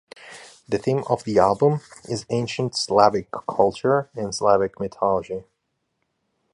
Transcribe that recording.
The theme of the album is ancient Slavic culture and Slavic mythology.